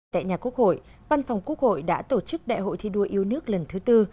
tại nhà quốc hội văn phòng quốc hội đã tổ chức đại hội thi đua yêu nước lần thứ tư